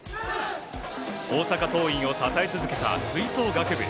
大阪桐蔭を支え続けた吹奏楽部。